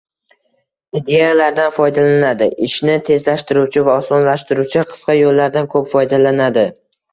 Idelardan foydalanadi, ishni tezlashtiruvchi va osonlashtiruvchi qisqa yo’llardan ko’p foydalanadi